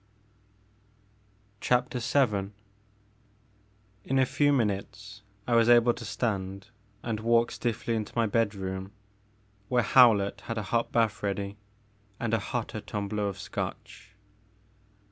*' VII. IN a few minutes I was able to stand and walk stiffly into my bedroom where Howlett had a hot bath ready and a hotter tumbler of Scotch.